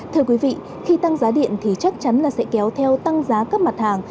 thưa quý vị khi tăng giá điện thì chắc chắn là sẽ kéo theo tăng giá các mặt hàng